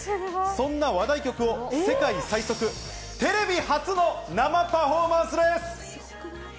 そんな話題曲を世界最速、テレビ初の生パフォーマンスです。